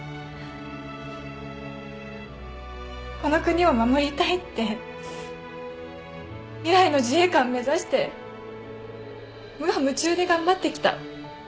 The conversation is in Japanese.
この国を守りたいって未来の自衛官目指して無我夢中で頑張ってきた。